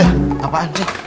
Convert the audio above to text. eh apaan sih